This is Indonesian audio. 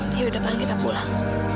ya udah paling kita pulang